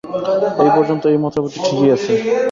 এই পর্যন্ত এই মতবাদটি ঠিকই আছে।